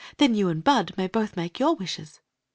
Then you and Bud may both make your wishes."